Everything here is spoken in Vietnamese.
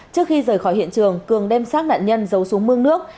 trước khi rời khỏi hiện trường cường đem xác nạn nhân giấu xuống mương nước